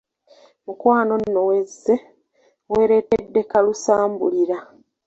Mukwano nno wezze, weereetedde kalusambulira.